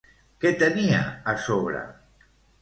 Què tenia a sobre?